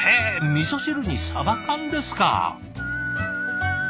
味汁にサバ缶ですか！